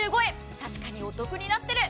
確かにお得になっている。